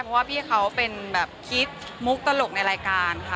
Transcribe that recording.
เพราะว่าพี่เขาเป็นแบบคิดมุกตลกในรายการค่ะ